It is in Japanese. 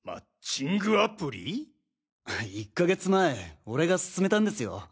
１か月前俺が勧めたんですよ。